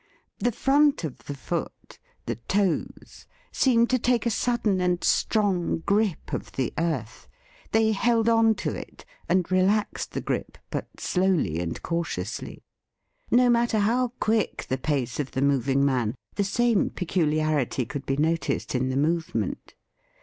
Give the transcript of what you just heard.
The front of the foot— the toes — seemed to take a sudden and strong grip of the earth. They held on to it, and relaxed the grip but slowly and cautiously. No matter how quick the pace of the moving man, the same peculiarity could be noticed in the move ment.